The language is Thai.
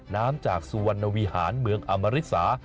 น้ำจากสุวรรณวิหารเมืองอมริสา